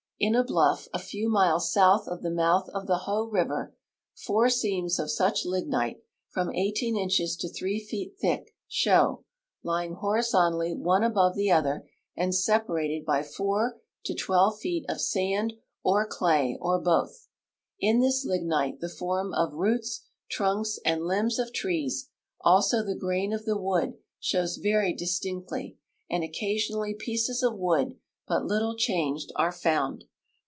In a bluff, a few miles south of the mouth of the Hoh river, four seams of such lignite, from 18 inches to 3 feet thick, show, lying horizontally one above the other, and separated b,y 4 to 12 feet of sand or clay or both. In this lignite the form of roots, trunks, and limbs of trees, also the grain of the wood, show veiy distinctly, and occasional!}^ pieces of Avood, but little changed, are found.